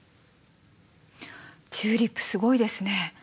チューリップすごいですね。